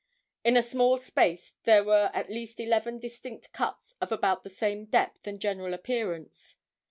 In a small space there were at least eleven distinct cuts of about the same depth and general appearance.